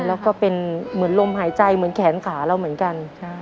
แล้วก็เป็นเหมือนลมหายใจเหมือนแขนขาเราเหมือนกัน